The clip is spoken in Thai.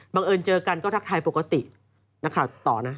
เอิญเจอกันก็ทักทายปกตินักข่าวต่อนะ